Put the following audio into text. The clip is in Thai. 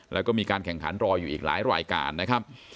แล้วก็มีการแข่งขันรออยู่อีกหลายรายการนะครับ